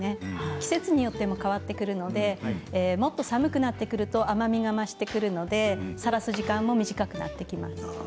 季節によっても変わってくるのでもっと寒くなってくると甘みが増してくるのでさらす時間も短くなってきます。